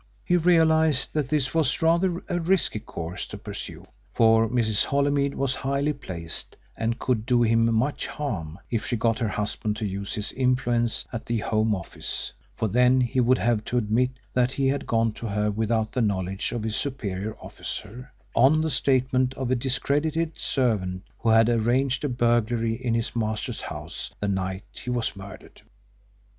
He realised that this was rather a risky course to pursue, for Mrs. Holymead was highly placed and could do him much harm if she got her husband to use his influence at the Home Office, for then he would have to admit that he had gone to her without the knowledge of his superior officer, on the statement of a discredited servant who had arranged a burglary in his master's house the night he was murdered.